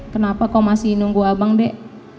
kenapa kau masih nunggu abang dek